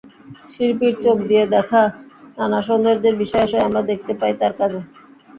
শিল্পীর চোখ দিয়ে দেখা নানা সৌন্দর্যের বিষয়-আশয় আমরা দেখতে পাই তাঁর কাজে।